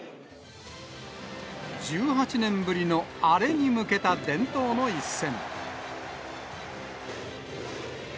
１８年ぶりのアレに向けた伝統の一戦。